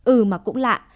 ừ mà cũng lạ